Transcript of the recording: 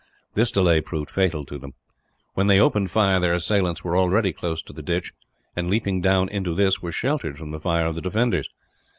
This delay proved fatal to them. When they opened fire, their assailants were already close to the ditch and, leaping down into this, were sheltered from the fire of the defenders.